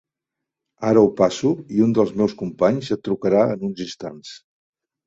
Ara ho passo i un dels meus companys et trucarà en uns instants.